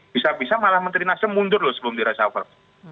bisa bisa malah menteri nasdam mundur loh sebelum diresapel